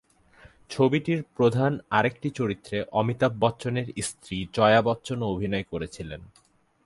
ছবিটির প্রধান আরেকটি চরিত্রে অমিতাভ বচ্চনের স্ত্রী জয়া বচ্চনও অভিনয় করেছিলেন।